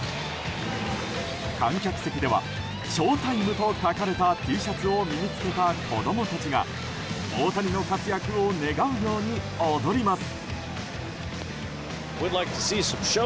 観客席ではショータイムと書かれたＴシャツを身に着けた子供たちが大谷の活躍を願うように踊ります。